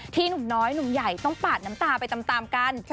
หนุ่มน้อยหนุ่มใหญ่ต้องปาดน้ำตาไปตามกัน